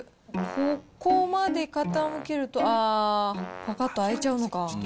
ここまで傾けると、あー、ぱかっと開いちゃうのか。